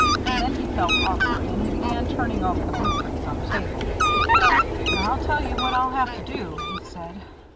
Then he felt awkward, and he began turning over the blue prints on the table. "I'll tell you what I'll have to do," he said.